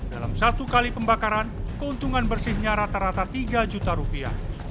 dalam satu kali pembakaran keuntungan bersihnya rata rata tiga juta rupiah